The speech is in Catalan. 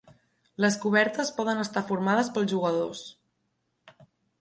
Les cobertes poden estar formades pels jugadors.